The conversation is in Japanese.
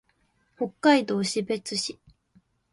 北海道士別市